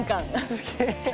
すげえ！